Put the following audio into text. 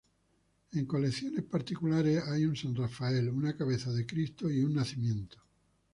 En colecciones particulares hay un San Rafael, una cabeza de Cristo y un Nacimiento.